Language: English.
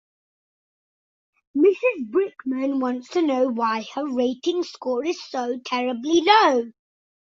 Mrs Brickman wants to know why her rating score is so terribly low.